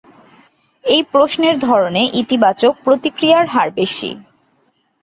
এই প্রশ্নের ধরনে ইতিবাচক প্রতিক্রিয়ার হার বেশি।